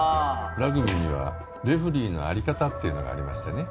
ラグビーにはレフリーのあり方っていうのがありましてね